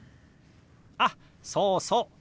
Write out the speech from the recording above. あっそうそう。